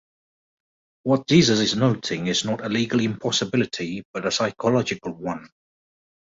What Jesus is noting is not a legal impossibility, but a psychological one.